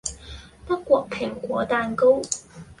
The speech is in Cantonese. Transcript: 德國蘋果蛋糕